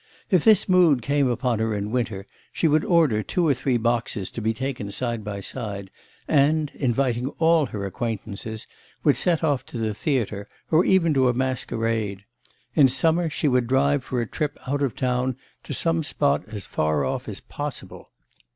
If this mood came upon her in winter, she would order two or three boxes to be taken side by side, and, inviting all her acquaintances, would set off to the theatre or even to a masquerade; in summer she would drive for a trip out of town to some spot as far off as possible.